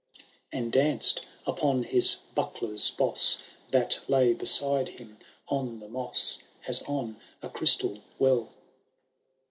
And danced upon his buckler^s boss. That lay beside him on the moes, As on a crystal well.